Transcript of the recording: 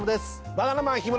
バナナマン日村